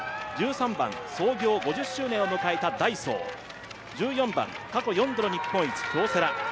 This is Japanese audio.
１３番、創業５０周年を迎えたダイソー１４番、過去４度の日本一京セラ。